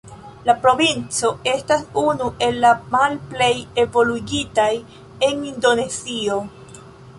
La provinco estas unu el la malplej evoluigitaj en Indonezio.